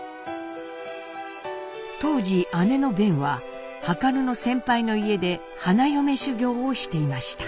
当時姉の辨は量の先輩の家で花嫁修業をしていました。